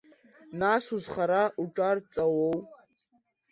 Нас, узхара уҿарҵауоу?